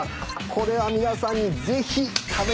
これは皆さんにぜひ食べ。